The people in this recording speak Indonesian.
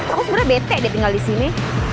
aku sebenernya bete deh tinggal di sini